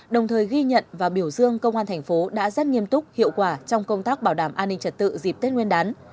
đồng thời ghi nhận và biểu dương công an thành phố đã rất nghiêm túc hiệu quả trong công tác bảo đảm an ninh trật tự dịp tết nguyên đán